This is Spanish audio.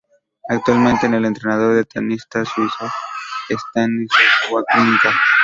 Actualmente es el entrenador del tenista suizo Stanislas Wawrinka.